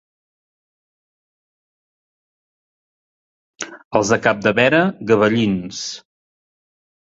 Els de Capdepera, gabellins.